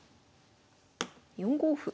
４五歩。